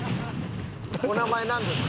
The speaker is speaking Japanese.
お名前なんですか？